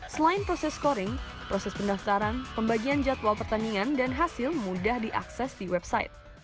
selain proses scoring proses pendaftaran pembagian jadwal pertandingan dan hasil mudah diakses di website